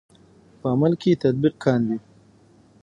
په عمل کې یې تطبیق کاندئ.